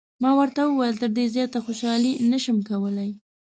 ما ورته وویل: تر دې زیاته خوشحالي نه شم کولای.